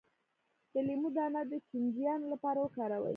د لیمو دانه د چینجیانو لپاره وکاروئ